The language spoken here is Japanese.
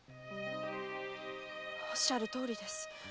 おっしゃるとおりです。